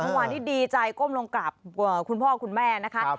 ทุกวันที่ดีใจก้มลงกลับคุณพ่อคุณแม่นะครับ